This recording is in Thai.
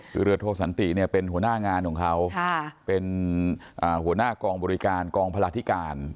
คือเรือโทสันติเนี่ยเป็นหัวหน้างานของเขาเป็นหัวหน้ากองบริการกองพลาธิการ